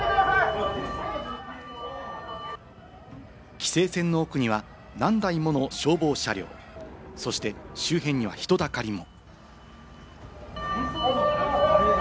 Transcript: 規制線の奥には何台もの消防車両、そして周辺には人だかりも。